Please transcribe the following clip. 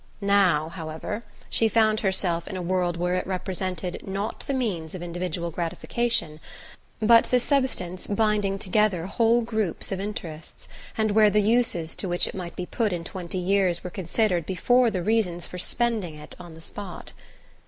Now, however, she found herself in a world where it represented not the means of individual gratification but the substance binding together whole groups of interests, and where the uses to which it might be put in twenty years were considered before the reasons for spending it on the spot.